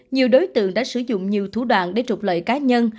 nhiều đối tượng đã sử dụng nhiều thủ đoạn để trục lợi cá nhân